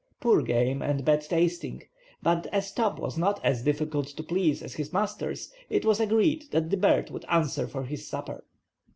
Poor game and bad tasting, but as Top was not as difficult to please as his masters, it was agreed that the bird would answer for his supper.